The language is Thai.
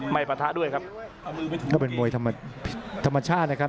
ปะทะด้วยครับก็เป็นมวยธรรมชาตินะครับ